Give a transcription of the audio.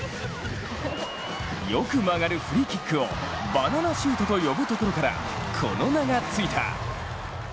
よく曲がるフリーキックをバナナシュートと呼ぶことからこの名がついた。